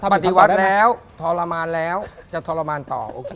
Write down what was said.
ปฏิวัติแล้วทรมานแล้วจะทรมานต่อโอเค